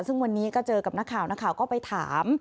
ซึ่งวันนี้ก็เจอกับนักข่าวนักข่าวก็ไปถาม